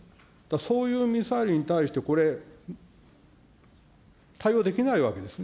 そういうミサイルに対して、これ、対応できないわけですね。